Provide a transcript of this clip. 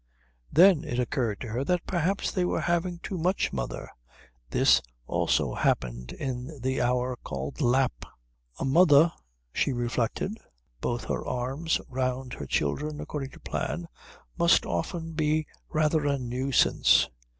Then it occurred to her that perhaps they were having too much mother. This also happened in the hour called Lap. "A mother," she reflected, both her arms round her children according to plan, "must often be rather a nuisance."